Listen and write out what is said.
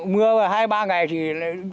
mưa hai ba ngày thì chú nào cũng chảy nước